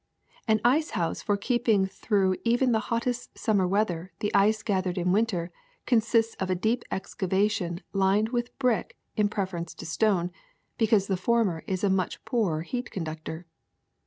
^'An ice house for keeping through even the hot test summer weather the ice gathered in winter con sists of a deep excavation lined with brick in prefer ence to stone, because the former is a much poorer heat conductor.